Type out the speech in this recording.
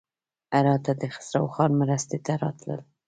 هراته د خسروخان مرستې ته راتلل.